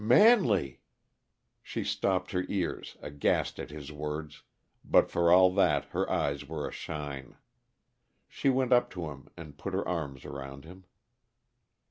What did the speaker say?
"Manley!" She stopped her ears, aghast at his words, but for all that her eyes were ashine. She went up to him and put her arms around him.